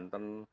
atau di jepang